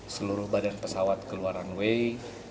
seluruh badan pesawat keluar runway